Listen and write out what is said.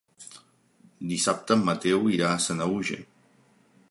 Dissabte en Mateu irà a Sanaüja.